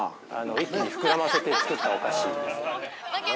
◆一気に膨らませて作ったお菓子です。